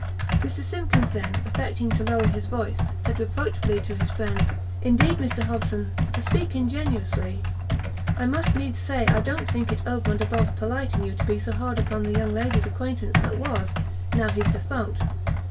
Mr Simkins then, affecting to lower his voice, said reproachfully to his friend "Indeed, Mr Hobson, to speak ingenusly, I must needs say I don't think it over and above pelite in you to be so hard upon the young lady's acquaintance that was, now he's defunct.